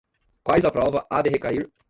quais a prova há de recair